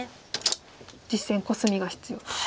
実戦コスミが必要と。